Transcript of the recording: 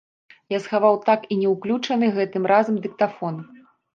Я схаваў так і не ўключаны гэтым разам дыктафон.